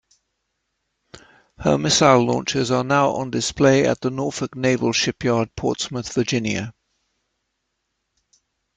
Her missile launchers are now on display at the Norfolk Naval Shipyard, Portsmouth, Virginia.